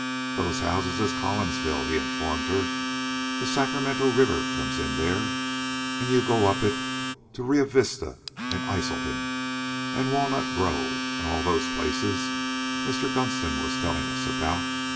"Those houses is Collinsville," he informed her. "The Sacramento river comes in there, and you go up it to Rio Vista an' Isleton, and Walnut Grove, and all those places Mr. Gunston was tellin' us about.